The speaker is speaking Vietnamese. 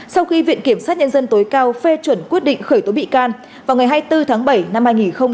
sau khi viện kiểm sát nhân dân tối cao phê chuẩn quyết định khởi tố bị can vào ngày hai mươi bốn tháng bảy năm hai nghìn hai mươi